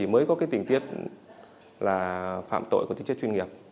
mới có tình tiết phạm tội tính chất chuyên nghiệp